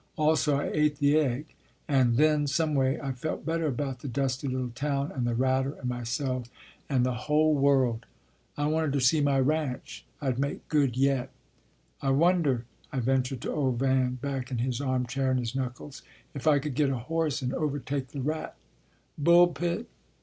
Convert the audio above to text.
Also I ate the egg. And then some way I felt better about the dusty little town and the Ratter and myself and the whole 12 Happy Valley world. I wanted to see my ranch. I d make good yet. " I wonder," I ventured to old Van, back in his armchair and his knuckles, "if I could get a horse and overtake the Rat Bullpit